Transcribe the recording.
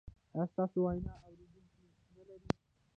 ایا ستاسو ویناوې اوریدونکي نلري؟